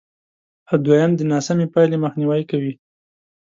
او دوېم د ناسمې پایلې مخنیوی کوي،